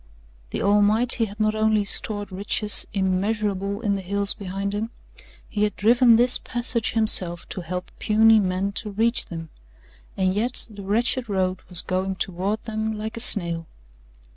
The Almighty had not only stored riches immeasurable in the hills behind him He had driven this passage Himself to help puny man to reach them, and yet the wretched road was going toward them like a snail.